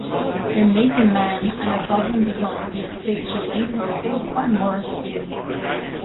"Omega Man" and "Above and Beyond" feature lead vocals by Maurice Gibb.